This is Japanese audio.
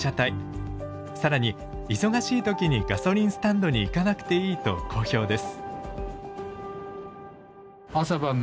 更に忙しい時にガソリンスタンドに行かなくていいと好評です。